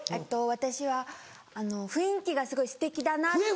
私は雰囲気がすごいすてきだなって。